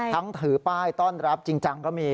ถือป้ายต้อนรับจริงจังก็มี